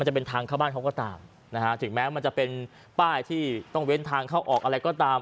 จะเป็นทางเข้าบ้านเขาก็ตามนะฮะถึงแม้มันจะเป็นป้ายที่ต้องเว้นทางเข้าออกอะไรก็ตาม